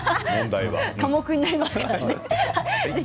寡黙になりますからね。